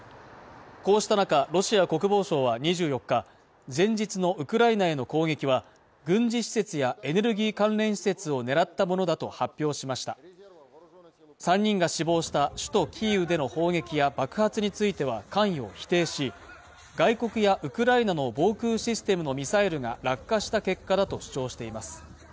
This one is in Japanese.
こうした中ロシア国防省は２４日前日のウクライナへの攻撃は軍事施設やエネルギー関連施設を狙ったものだと発表しました３人が死亡した首都キーウでの砲撃や爆発については関与を否定し外国やウクライナの防空システムのミサイルが落下した結果だと主張しています